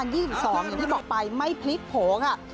อย่างที่บอกไปไม่พลิกโผล่ค่ะ